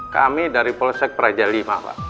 kami dari polsek praja v pak